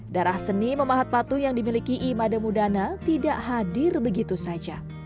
darah seni memahat patung yang dimiliki ima demudana tidak hadir begitu saja